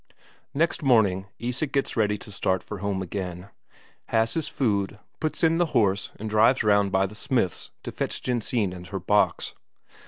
Next morning Isak gets ready to start for home again; has his food, puts in the horse and drives round by the smith's to fetch Jensine and her box.